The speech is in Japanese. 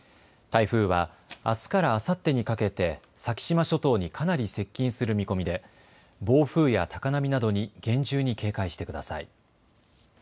台風はあすからあさってにかけて先島諸島にかなり接近する見込みで暴風や高波などに厳重に警戒してください。